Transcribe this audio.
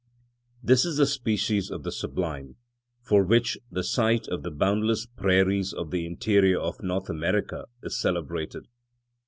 This is the species of the sublime for which the sight of the boundless prairies of the interior of North America is celebrated.